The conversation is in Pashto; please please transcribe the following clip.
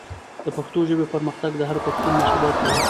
د پښتو ژبې پرمختګ د هر پښتون مسؤلیت دی.